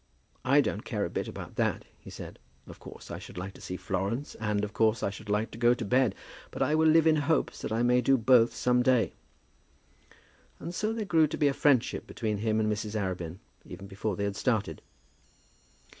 "I don't care a bit about that," he said. "Of course, I should like to see Florence, and, of course, I should like to go to bed; but I will live in hopes that I may do both some day." And so there grew to be a friendship between him and Mrs. Arabin even before they had started.